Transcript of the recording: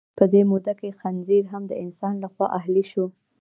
په دې موده کې خنزیر هم د انسان لخوا اهلي شو.